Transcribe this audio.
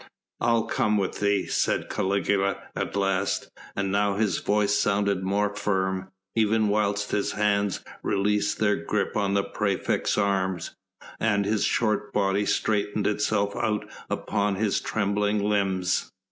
"I'll come with thee," said Caligula at last, and now his voice sounded more firm, even whilst his hands released their grip on the praefect's arm and his short body straightened itself out upon his trembling limbs.